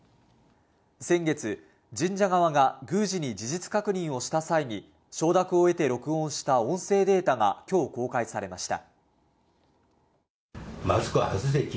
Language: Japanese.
先月、神社側が宮司に事実確認をした際に承諾を得て録音した音声データが今日、公開されました。